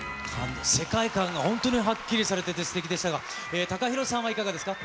世界観が本当にはっきりされててすてきでしたが、ＴＡＫＡＨＩＲＯさんはいかがですか。